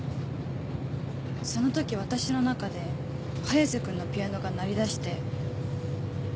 その時私の中で早瀬君のピアノが鳴りだして。